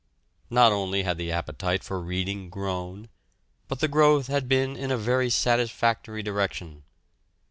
Not only had the appetite for reading grown, but the growth had been in a very satisfactory direction.